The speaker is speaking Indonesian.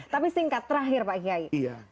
tapi singkat terakhir pak kiai